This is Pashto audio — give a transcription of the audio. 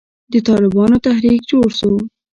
د طالبانو تحريک جوړ سو.